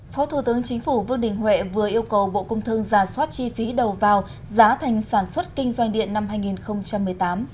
phó thủ tướng chính phủ vương đình huệ vừa yêu cầu bộ công thương giả soát chi phí đầu vào giá thành sản xuất kinh doanh điện năm hai nghìn một mươi tám